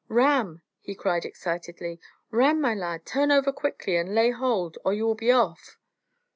"Ram!" he cried excitedly, "Ram, my lad, turn over quickly, and lay hold, or you will be off."